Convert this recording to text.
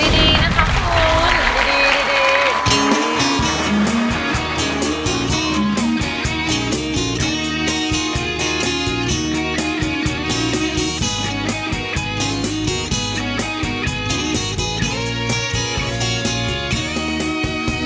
ดีนะครับคุณดี